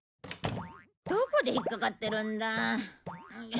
どこでひっかかってるんだ。